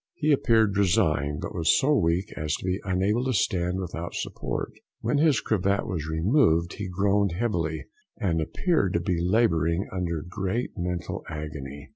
He appeared resigned, but was so weak as to be unable to stand without support; when his cravat was removed he groaned heavily, and appeared to be labouring under great mental agony.